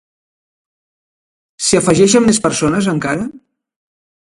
S'hi afegeixen més persones, encara?